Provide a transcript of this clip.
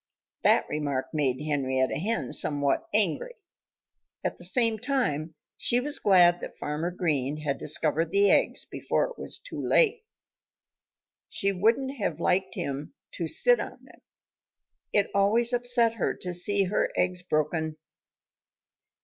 That remark made Henrietta Hen somewhat angry. At the same time she was glad that Farmer Green had discovered the eggs before it was too late. She wouldn't have liked him to sit on them. It always upset her to see her eggs broken.